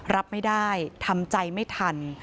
รับไม่ได้ทำใจไม่ทัน